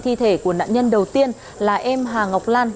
thi thể của nạn nhân đầu tiên là em hà ngọc lan